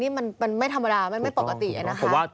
นี่มันไม่ธรรมดา